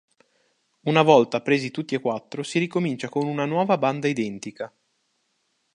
Una volta presi tutti e quattro si ricomincia con una nuova banda identica.